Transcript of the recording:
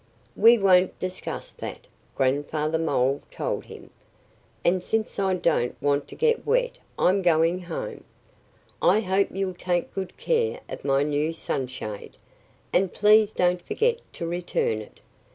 "We won't discuss that," Grandfather Mole told him. "And since I don't want to get wet I'm going home.... I hope you'll take good care of my new sunshade. And please don't forget to return it!"